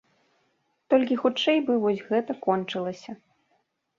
Толькі хутчэй бы вось гэта кончылася.